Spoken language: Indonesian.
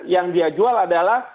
yang dia jual adalah